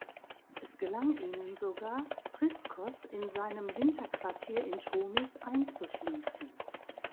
Es gelang ihnen sogar, Priskos in seinem Winterquartier in Tomis einzuschließen.